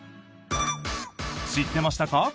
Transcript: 知ってましたか？